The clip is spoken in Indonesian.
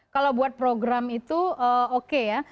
kalau buat program itu oke ya